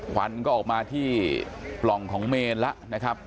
หวันที่ออกมาที่ปล่องของเมลและ